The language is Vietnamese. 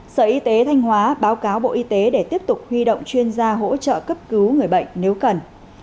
sở y tế thanh hóa báo cáo bộ y tế để tiếp tục huy động chuyên gia hỗ trợ cấp cứu người bệnh nếu cần